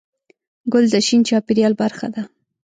ګل د شین چاپېریال برخه ده.